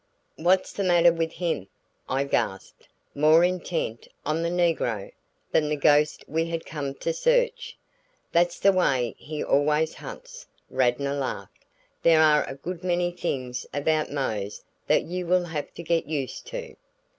"What's the matter with him?" I gasped, more intent on the negro than the ghost we had come to search. "That's the way he always hunts," Radnor laughed. "There are a good many things about Mose that you will have to get used to."